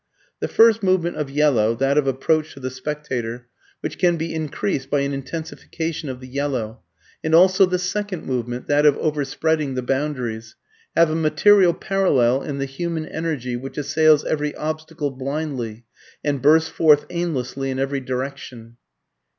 The first movement of yellow, that of approach to the spectator (which can be increased by an intensification of the yellow), and also the second movement, that of over spreading the boundaries, have a material parallel in the human energy which assails every obstacle blindly, and bursts forth aimlessly in every direction.